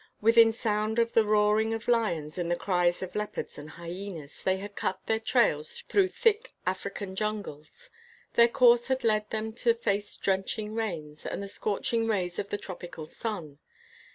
Within sound of the roaring of lions and the cries of leopards and hyenas, they had cut their trails through thick African jungles. Their course had led them to face drenching rains and the scorching rays of the tropical sun.